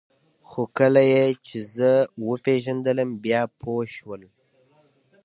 خو کله یې چې زه وپېژندلم بیا پوه شول